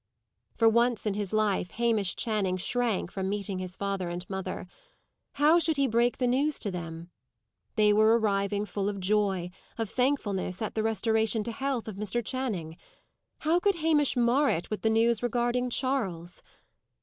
For once in his life, Hamish Channing shrank from meeting his father and mother. How should he break the news to them? They were arriving full of joy, of thankfulness at the restoration to health of Mr. Channing: how could Hamish mar it with the news regarding Charles?